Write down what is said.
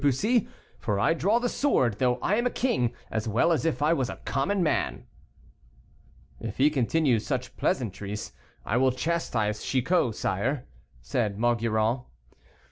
Bussy, for I draw the sword, though I am a king, as well as if I was a common man." "If he continue such pleasantries, I will chastise Chicot, sire," said Maugiron.